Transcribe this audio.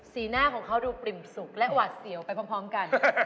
หน้าของเขาดูปริ่มสุขและหวาดเสียวไปพร้อมกัน